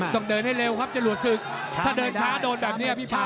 ต้องเดินให้เร็วครับจรวดศึกถ้าเดินช้าโดนแบบนี้พี่พา